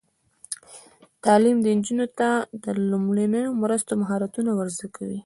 تعلیم نجونو ته د لومړنیو مرستو مهارتونه ور زده کوي.